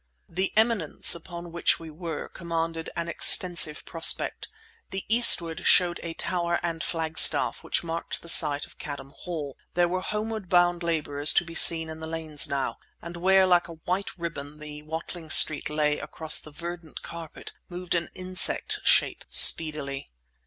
The eminence upon which we were commanded an extensive prospect, and eastward showed a tower and flagstaff which marked the site of Cadham Hall. There were homeward bound labourers to be seen in the lanes now, and where like a white ribbon the Watling Street lay across the verdant carpet moved an insect shape, speedily.